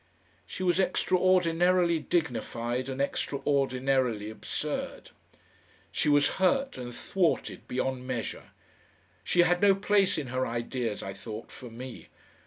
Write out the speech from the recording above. She was extraordinarily dignified and extraordinarily absurd. She was hurt and thwarted beyond measure. She had no place in her ideas, I thought, for me.